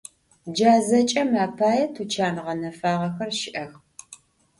Ca zeç'em apaê tuçan ğenefağexer şı'ex.